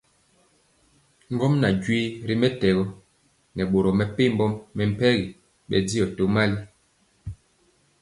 Ŋgomnaŋ joee ri mɛtɛgɔ nɛ boro mepempɔ mɛmpegi bɛndiɔ tomali.